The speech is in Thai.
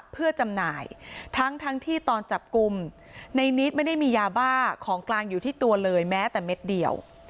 เพื่อจำหน่ายทั้งทั้งที่ตอนจับกลุ่มในนิดไม่ได้มียาบ้าของกลางอยู่ที่ตัวเลยแม้แต่เม็ดเดียว